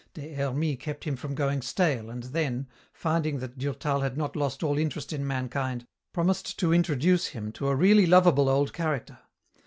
Des Hermies kept him from going stale and then, finding that Durtal had not lost all interest in mankind, promised to introduce him to a really lovable old character.